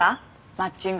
マッチング。